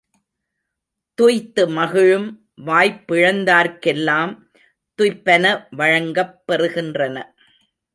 துய்த்து மகிழும் வாய்ப்பிழந்தார்க்கெல்லாம் துய்ப்பன வழங்கப் பெறுகின்றன.